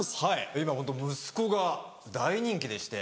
今ホント息子が大人気でして。